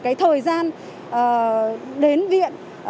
cái thời gian đến viện